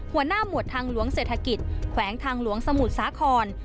หมวดทางหลวงเศรษฐกิจแขวงทางหลวงสมุทรสาคร